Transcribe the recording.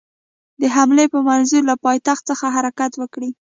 د حملې په منظور له پایتخت څخه حرکت وکړي.